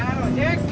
ada loh cik